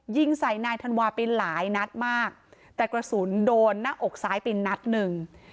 ยิงใส่นายธันวาไปหลายนัดมากแต่กระสุนโดนหน้าอกซ้ายไปนัดหนึ่ง